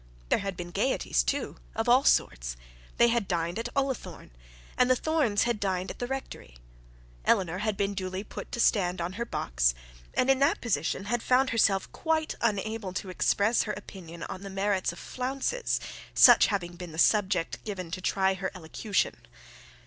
There had been gaieties too of all sorts. They had dined at Ullathorne, and the Thornes had dined at the rectory. Eleanor had been duly put to stand on her box, and in that position had found herself quite unable to express her opinion on the merits of flounces, such having been the subject given to try her elocution.